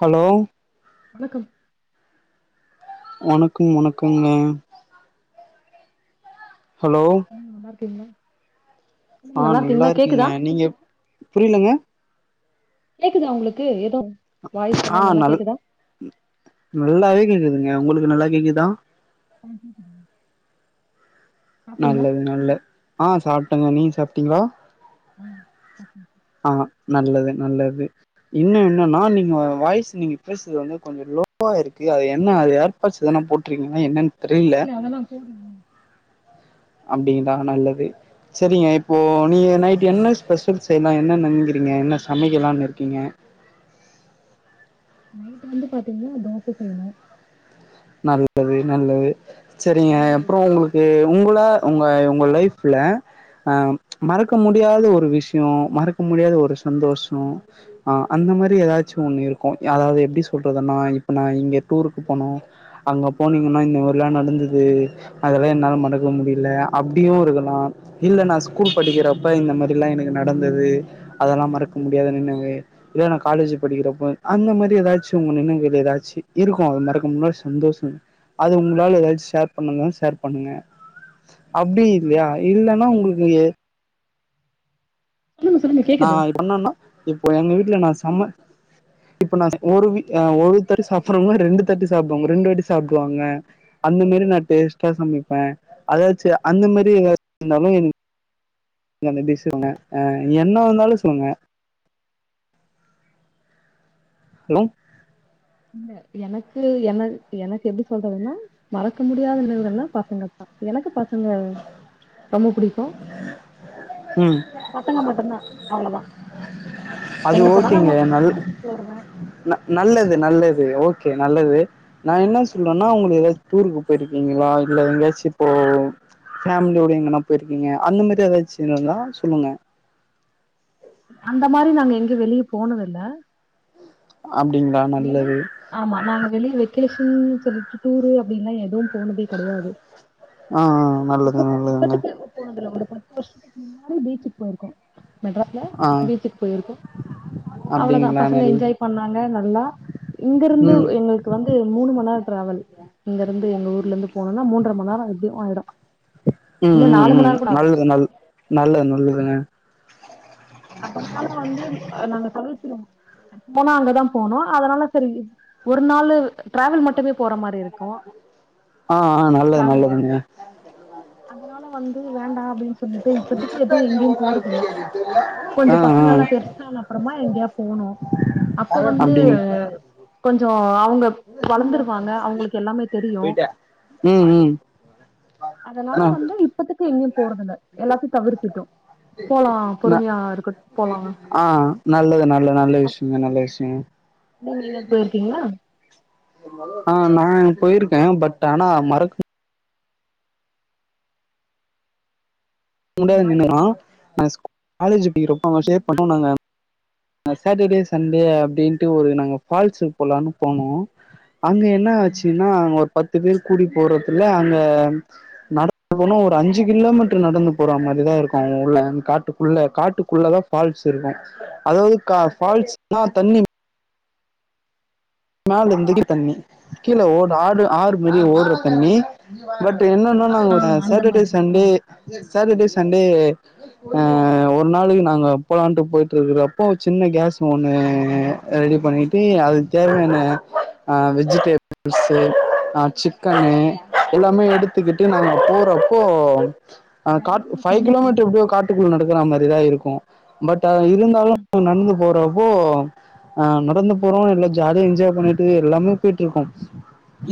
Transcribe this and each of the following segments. Hello வணக்கம் வணக்க வணக்கங்க ஹலோ ஓகேங்களா ஆ நல்லாருக்கேங்க நீங்க புரியலங்க கேக்குதா உங்களுக்கு எது ஆ நல் நல்லாவே கேக்குது ங்க ஒங்களுக்கு நல்லா கேக்குதா ஆ கேக்குதுங்க நல்லது நல்ல ஆ சாப்ட்டங்க நீங்க சாப்ட்டீங்களா ம் சாப்ட்ட ஆ நல்லது நல்லது இன்னு என்னன்னா நீங்க வாய்ஸ் நீங்க பேசுறது வந்து கொஞ்சோ லோவா இருக்கு அது என்ன அது ஏர்பாட்ஸ் எதனா போட்ருங்கீங்களா என்னன் இல்ல அதெல்லா போடலைங்க அப்டிங்களா நல்லது செரிங்க இப்போ நீங்க நைட்டு என்ன ஸ்பெஷல் செய்யலா என்னன்றீங்க என்ன சமைக்கலானு இருக்கீங்க நைட் வந்து பாத்தீங்கன்னா தோச செய்ணு நல்லது நல்லது செரிங்க சாம்பார் எப்பறோ வைக்கணு ஒங்களுக்கு ஒங்கள ஒங்க ஒங்க லைஃப்ல ஆ மறக்க முடியாத ஒரு விஷ்யோ மறக்க முடியாத ஒரு சந்தோஷோ அ அந்த மாதிரி எதாச்சு ஒன்னு இருக்கு அதாவது எப்டி சொல்றதுன்னா இப்ப நா இங்க டூருக்கு போனோ அங்க போனீங்கன்னா இந்த மாதிரி எல்லாம் நடந்தது அதெல்லாம் என்னாலும் மறக்க முடியல அப்படியும் இருக்கலாம் இல்ல நான் ஸ்கூல் படிக்கிறப்ப இந்த மாதிரி எிலல்லாம் எனக்கு நடந்தது அதெல்லாம் மறக்க முடியாத நினங்க இல்ல நான் காலேஜ் படிக்கிறப்ப அந்த மாதிரி ஏதாச்சும் உங்க நினங்க ஏதாச்சு இருக்கும் அதை மறக்க முன்னா சந்தோஷம் அது உங்ளால எதாச் ஷேர் பண்ணுன்னா ஷேர் பண்ணுங்க அப்டி இல்லையா இல்லன்னா சொல்லுங்க உங்ளுக்கு எ சொல்லுங்க சொல்லுங்க நா கேக்குது இப்பென்னனா இப்போ எங்க வீட் இல்ல நா சம இப்ப நா செ ஒரு வி ஆ ஒருத்தர் சாப்டும்போது ரெண்டு பேர்து சாப்டுவாங்க ரெண்டு வாட்டி சாப்டுவாங்க அந்த மாரி நா டேஸ்ட்டா சமைப்பே அதாச்சு அந்த மாரி இருந்தாலூ நன்ன பேசிகோங்க ஆ என்ன வந்தாலு சொல்ங்க லோ இல்ல எனக்கு என எனக்கு எப்டி சொல்றதுன்னா மறக்க முடியாத நினைவுகள்னா பசங்க தா எனக்கு பசங் அங்க ரொம்ப புடிக்கூ ம் பசங்க மட்டுந்தா அவ்ளோதா அது எங்க போனாலூ ஓகேங்க அவங்கள கூட்டு போவே கூட்டு வருவே து நல்லது ஓகே நல்லது நா என்ன சொல்றேனா உங்களுக்கு டூருக்கு போயிருக்கீங்களா இல்ல எங்காச்சு இப்போ ஃபேமிலியோட எங்கனா போயிருக்கீங்க அந்த மாரி எதாச்சு இந்தனா சொல்லுங்க அந்த மாரி நாங்க எங்கே வெளியே போனதில்ல அப்டிங்களா வீடு நல்லது ஆமா நாங்க வெளியே வெகேஷ் ன் சொல்லிட்டு டூரு அப்டின்லா எதுவூ போனதே கெடையாது ஆ நல்லது இப்ப போ நல்லதுங்க இப்பத்துக்கு போனதுல ஒரு பத்து வருஷத்துக்கு முன்னாடி பீச்சுக்கு போயிருக்கோ மெட்ராஸ்ல ஆ பீச்சுக்கு போயிருக்கோ அவ்ளோதா அப்டிங்களா பசங்க நல்ல என்ஜாய் பண்ணாங்க நல்லா இங்கருந்து ம் எங்களுக்கு வந்து மூணு மண் நேரோ ட்ராவல் இங்கருந்து எங்க ஊர்லேந்து போனோனா மூன்ற மண் நேரோ அப்டி அவ்ளோதா ம் ம் நல்லது நல் நல்லது நல்லதுங்க அதனால வந்து நாங்க சளிச்சிருவோ போனா அங்கதா போனோ அதனால செரி ஒரு நாளு ட்ராவல் மட்டுமே போற மாரி இருக்கூ ஆ ஆ நல்லது நல்லதுங்க அதனால வந்து வேண்டா அப்டின் சொல்லிட்டு இப்பத்துக்கு எதுவு எங்கயூ போறதில்ல கொஞ்சோ ஆ ஆ பசங்கல்லா பெருசானப்றமா எங்காவ் போணோ அப்போ வந்து அப்டிங் கொஞ்சோ ஆ உங்க போய்ட ம் ம் அதனால ஆ வந்து இப்பத்துக்கு இங்க போலா ந பொறுமையா இருக்கட்டு போலா ஆ நல்லது நல்லதா நல்ல விஷயங்க நல்ல விஷயங்க நீங்க எங்கயாது போயிருக்கீங்களா ஆ நா போயிருக்கே பட் ஆனா மறக் முடியாது நின்ன வாய்ஸ் நா நா ஸ்கூ காலேஜ்ப்பிறப்ப அவங்க ஷேர் பண்ணோ நாங்க சேட்டர்டே சண்டே அப்டின்ட்டு ஒரு நாங்க ஃபால்ஸுக்கு போலான்னு போனோ அங்க என்ன ஆச்சுன்னா ஒரு பத்து பேர் கூடி போறத்துல அங்க நட தொனோ ஒரு அஞ்சு கிலோமீட்டர் நடந்து போற மாதிரிதா இருக்கு உள்ள காட்டுக்குள்ள காட்டுக்குள்ளதா ஃபால்ஸ் இருக்கு அதாவது கா ஃபால்ஸ் னா தண்ணி மேலந்திக்கி தண்ணி கீழ ஓட ஆறு ஆறு மேரிய ஓடற தண்ணி பட் இப்ப என்னன்னா நாங்க ஆ அந்த சேட்டர்டே மாதிரி சண்டே ஆ சேட்டர்டே சண் டே அ ஒரு நாளைக்கி நாங்க போலான்ட்டு போயிட்ருக்கரப்போ சின்ன கேஸ் ஒன்னு ரெடி பண்ணிட்டு அது தேவையான அ வெஜிடபுள்ஸு அ சிக்கனு எல்லாமே எடுத்துக்கிட்டு நாங்க போறப்போ அ கா பேக்ரவுண்ட்ல ஃபை சவுண்டு கிலோமீட்டர் கேக்குது எப்டியோ காட்டுக்குள்ள நடக்கறா மாரிதா இருக்கூ பட் டு அது இருந்தாலு நடந்து போறப்போ அ நடந்து போறோ இல்ல ஜ் ஜாலி என்ஜாய் பண்ணிட்டு எல்லாமே போயிட்டு இருக்கோம்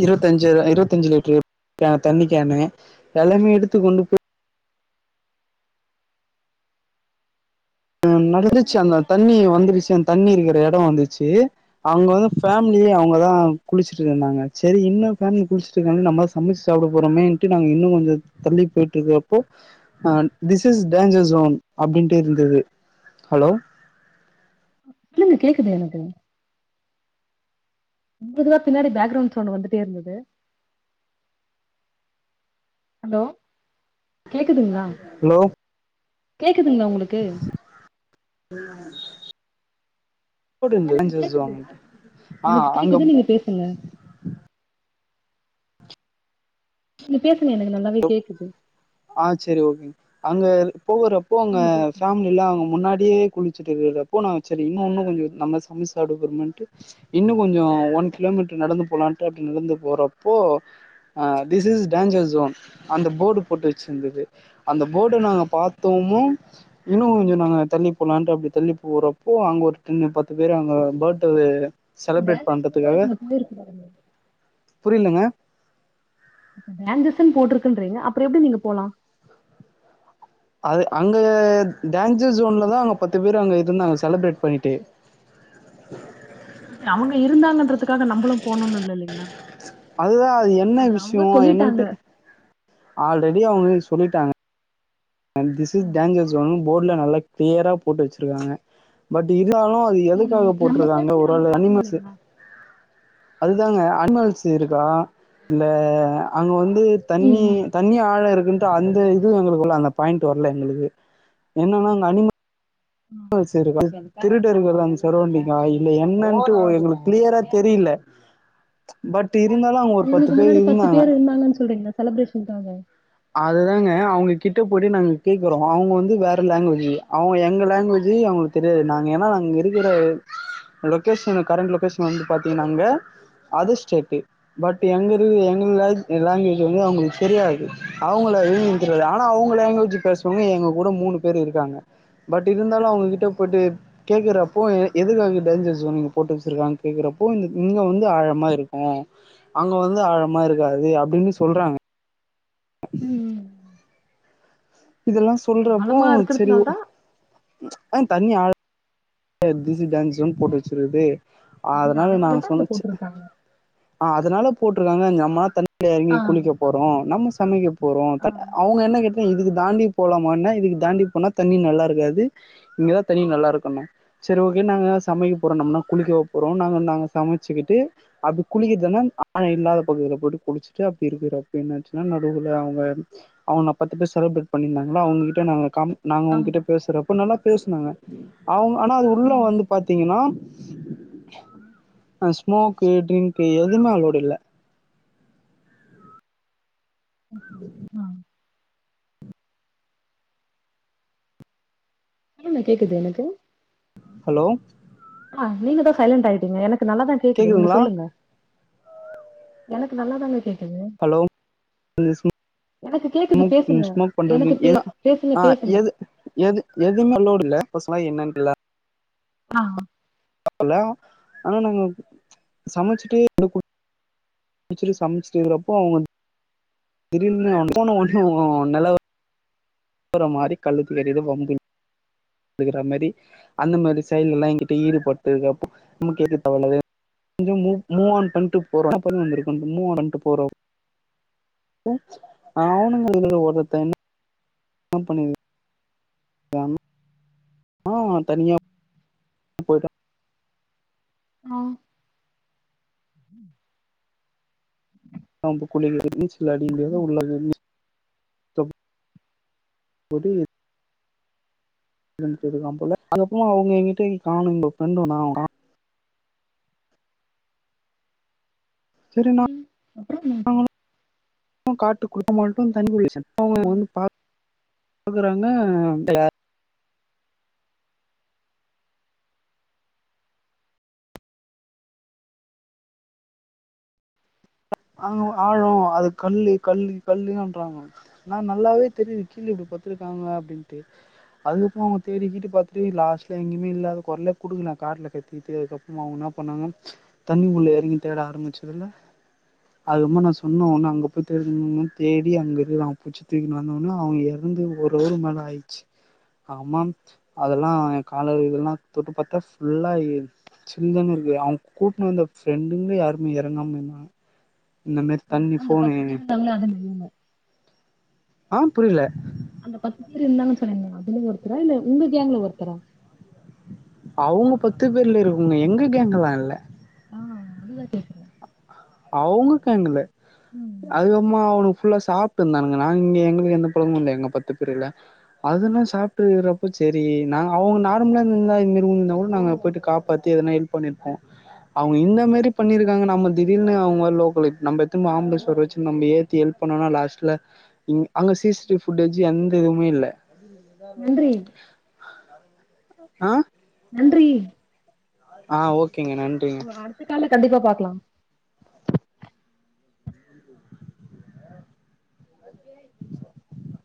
இருவத்தஞ்சு இருவத்தஞ்சு லிட்ரு கேன் தண்ணி கேனு எல்லாமே எடுத்து கொண்டு போயி அ நடந்துச்சு அந்த தண்ணி வந்துருச்சு அந்த தண்ணி இருக்கற எடோ வந்துருச்சு அங்க வந்து ஃபேமிலியா அவுங்கதா குளிச்சுட்டு இருந்தாங்க சேரி இன்னொரு ஃபேமிலி குளிச்சுட்டு இருக்காங்களே நம்ம சமைச்சு சாப்புட போறோமேன்ட்டு நாங்க இன்னு கொஞ்சோ தள்ளி போயிட்டு இருக்கறப்போ அ திஸ் இஸ் டேஞ்சர்ஸ் ஸோன் அப்டின்ட்டு இருந்தது ஹலோ இல்லல்ல கேக்குது எனக்கு பொதுவா பின்னாடி பேக்ரவுண்ட் சவுண்ட் வந்துட்டே இருந்தது ஹலோ கேக்குதுங்ளா ஹலோ கேக்குதுங்ளா உங்களுக்கு போட்டுருந்தது எனக்கு மெசேஜ் கேக்குது வாங்கன்ட்டு ஆ எனக்கு அங்க கேக்குது நீங்க பேசுங்க இல்ல பேசு ஹலோ ஆ சேரி ஓகேங் அங்க போகறப்போ அங்க நீங்க பேசுங்க ஃபேமிலில்லா அவுங்க முன்னாடியே குளி ச்சுட்டு இருக்றப்போ நாங்க செரி இன்னொன்னு கொஞ்சே நம்ம சமச்சு சாப்டபோறோமேன்ட்டு இன்னு கொஞ்சோ ஒன் கிலோமீட்டர் நடந்து போலான்ட்டு அப்டி நடந்து போறப்போ அ திஸ் இஸ் டேஞ்சர்ஸ் ஸோன் அந்த போர்டு போட்டு வெச்சிருந்தது அந்த போர்ட்ட நாங்க பாத்தோமோ இன்னு ஆ. கொஞ்சோ நாங்க தள்ளி போலான்ட்டு அப்டி தள்ளிப் போறப்போ அங்க ஒருத்தைவீங்க பத்து பேரு அங்க பர்த்டவே இப்ப செலப்ரேட் பேஞ்சஸ்ன்னும் போது பண்றதுக்காக நீங்க போயிருக்கு பாருங்க புரிலங்க இப்ப டேஞ்சரஸ்னு போட்டிருக்குன்றீங்க அப்புறோ எப்பிடி நீங்க போலா அது அங்க டேஞ்சர்ஸ் ஜோன்லதா அங்க பத்து பேர் அங்க இருந்தாங்க செலப்ரேட் பண்ணிட்டு அதுக்காக நம்புளு போணுன்னு இல்ல இல்லைங்ளா அதுதா அது என்ன விஷ்யோ என்னன்ட்டு ஆல்ரெடி அவுங்க சொல்லிட்டாங்க அ திஸ் இஸ் டேஞ்சர்ஸ் ஸோன் போர்டுல நல்லா கிளியரா போட்டு வெச்சிருக்காங்க பட் இ இருந்தாலு அது எதுக்காக ம் நம்ம போட்டிருக்காங்க சேஃப்டிய ஒரு நம்ம ஆளு பாக்கணும் அனிமல்ஸ் இல்லைங்களா அதுதாங்க அனிமல்ஸ் இருக்கா இல்ல அங்க வந் து தண்ணி ம் தண்ணி ஆழ இரு ந்து அந்த இது எங்களுக்கு உள்ள அங்க பாயிண்ட் வர்ல எங்களுக்கு என்னன்னா அங்க அனிமல் ம். ஆ செரிதா திருடர்கள் அந்த சரௌண்டிங்கா இல்ல என்னென்ட்டு எங்களுக்கு கிளியரா தெரில பட் இருந்தாலும் அங்க ஒரு பத்து உங்களுக்கு பேர் முன்னாடி பத்து இருந்தாங்க பேர் இருந்தாங்கன்னு சொல்றீங்க செலிபிரேஷன் டைம் அதுதாங்க அவுங்க கிட்ட போய்ட்டு நாங்க கேட்குறோ அவுங்க வந்து வேற லேங்குவேஜ் அவுங்க எங்க லேங்குவேஜு அவுங்களுக்கு தெரியாது நாங்க ஏனா நாங்க இருக்கிற லொக்கேஷன் கரண்ட் லொக்கேஷன் வந்து பாத்தீங்கன்னா அங்க அதர் ஸ்டேட்டு பட் எங்க இரு எங்க லேங்குவேஜ் வந்து அவுங்களுக்கு தெரியாது அவுங்கள எழுந்து நிக்கறாரு ஆனா அவுங்க லேங்குவேஜ் பேசுறவங்க எங்க கூட மூணு பேரு இருக்கிறாகாங்க பட் இருந்தாலு அவுங்க கிட்ட போயிட்டு கேக்குறப்போ எ எதுக்காக டேஞ்சர்ஸ் சோன் நீங்க போட்டு வெச்சிருக்காங்கன் கேக்குறப்போ இங்க வந்து ஆழமா இருக்கு அங்க வந்து ஆழமா இருக்காது அப்டின்னு சொல்றாங்க ம் இதெல்லா சொல்றப்போ ஆழமா செரி இருக்கிறதுனால தான் அ தண்ணி ஆழ தி சிஸ் டேஞ்சரஸ் சோன் போட்டு வெச்சிருக்கு அவங்க அதனால நாங்க அதனாலதான் அத சொன்னச்சு போட்டிருக்காங்க அதனால போட்டிருக்காங்க நமா தண் டில் எறங்கி ஆ குளிக்க போறோ நம்ம தமயூ போறோ ஆ த அவுங்க என்ன கே இதுக்கு தாண்டி போலாமான்னா இதுக்கு தாண்டி போனா தண்ணி நல்லா இருக்காது இங்கதா தண்ணி நல்லா இருக்கணு சரி ஓகே நாங்க சமைக்க போறோ நம்ம என்ன குளிக்கவா போறோ நாங்க நாங்க சமச்சிகிட்டு அப்டி குளிக்கறதன்னா ஆழோ இல்லாத பகுதில போட்டு குளிச்சிட்டு அப்டி இருக்கிறப்போ என்னாச்சுன்னா நடுவுல அவுங்க அவுங்க பத்து பேர் செலிப்ரேட் பண்ணிருந்தாங்கள்ள அவுங்ககிட்ட நா கா நாங்க ஆமா அவுங்ககிட்ட பேசறப்போ நல்லா பேசுனாங்க அவுங்க ஆனா அது உள்ள ம் வந்து பாத்தீங்கனா ஆ அ ஸ்மோக்கு ட்ரிங்கு எதுமே அலோடு இல்ல ஓகே ஆ [unintelligible] கேக்குது எனக்கு ஹலோ ஆ நீங்க தா சைலண்டட் ஆயிட்டீங்க எனக் கு நல்லாதா கேக்குது நீங்க கேக்குதுங்களா சொல்லுங்க எனக்கு நல்லாதாங்க கேக் ஹலோ [inaudible] எனக்கு கேக்குது ஸ்மோக் ம் பேசுங்க ஸ்மோக் பண்ற மே எனக்கு பே எடோ பேசுங்க ம் பேசுங்க எது எது எதுமே லோடு இல்ல [unintelligible] என்னன் இல்ல ஆ அ ஹலோ ஆனா நாங்க சமைச்சுட்டு அப்டே கு குளிச்சுட்டு சமைச்சட்டு இருக்கப்போ அவுங்க வந் திடிர்னு [inaudible] போன ஒன்னுயு நெலவ போற மாரி கல்ல தூக்கி எரிறது வம்பிழுக்க மாதி அந்த மாதி செயிட் எல்லா என்கிட்ட ஈடுபட்டதுக்கப்றோ நம்ம கேட்க தவல கொஞ்சோ மூவான் பன் போறோ விருக்கு மூவான் பட்டு போறோ அவுணுங்க [unintelligible] ஒருத்த பண்ணிரு [unintelligible] ஆ தனியா போய்ட ம் ம் உக்காந்து குளிக்க போட்டு நீச்சல் அடிக்க முடியாத உள்ள [inaudible] [unintelligible] வெள்ள வந்துட்டு இருக்கான் போல அதுக்கப்றோம அவுங்க எங்கிட்ட காணு எங்க ஃப்ரெண்டுண்ண அவ காணு சரி ம் அப்றோ குடுக்கமாட்டோ தண்ணி குடிச்சங்க ம் வந்து பா பாக்குறாங்க [inaudible] ங்க ஆழ அது கல்லு கல்லு கல்லுன்றறாங்க நா நல்லாவே தெரிது கீழ இப்டி பத்துருக்காங்க அப்டின்ட்டு அதுக்கப்றோ அவுங்க தேடிகிடி பாத்துட்டு லாஸ்ட்ல எங்கேயுமே இல்லாத குரல குடுக்கலா காட்டுல கத்திட்டு அதுக்கப்றோ அவுங்க என்ன பண்ணாங்க தண்ணி உள்ள இறங்கி தேட ஆரம்பிச்சதுல அதுமா நா சொன்ன ஒன்ன அங்க போய் தேடுன [unintelligible] தேடி அங்க இருக்குறா அவ புச்சி தூக்கின்னு வந்த ஒன்னே அவ இறந்து ஒரு [unintelligible] மேல ஆயிச்சு ஆமாம் அ அதெல்லா என் கால இதெல்லா தொட்டு பாத்தா ஃபுல்லா சில்னு இருக்கு அவுங்க கூட்டின வந்த ஃப்ரெண்டுங்களே யாருமே எறங்காம இருந்தாங் அந்த பத்து பேர் இருந்தாங்கள அதுல நீங்க ஆ புரியில அந்த பத்து பேர் இருந்தாங்கன்னு சொன்னிருந்தங்க அதுலேந்து ஒருத்தரா இல்ல உங்க கேங்கல ஒருத்தரா அவுங்க பத்து பேர்ல இருக்குங்க எங்க கேங்கலா இல்ல ஆ அதுதா கேக்குறே அவுங்க கேங்குலே ம் அதுக் அப்புமா அவனு ஃபுல்லா சாப்ட்டு இருந்தானுங்க நாங்க இங்க எங்களுக்கு எந்த பழங்கு இல்ல எங்க பத்து பேருல்ல அதெல்லா சாப்ட்டு இருக்கறப்போ சேரி நா அவுங்க நார்மலா இருந்தா இது மேரி விழுந்து இருந்தா கூட நாங்க போயிட்டு காப்பாத்தி எதனா ஹெல்ப் பண்ணிருப்போ அவுங்க இந்த மாரி பண்ணிருக்காங்க நம்ம தி திடீர்னு அவுங்க லோக்கலு இப் நம்ப இப் திரும்ப ஆ, ஆம்புலஸ் ஒரு வச்சு நம்ப ஏத் [inaudible] ஹெல்ப் பண்ணனா லாஸ்ட்ல இங் அங்க சி சி டிவி புட்டேஜ் எந்த இதுவுமே இல்ல [inaudible] நன்றி ஆ நன்றி ஆ ஓக் ஓகேங்க நன்றிங்க அடுத்த கால்ல கண்டிப்பா பாக்கலா [inaudible]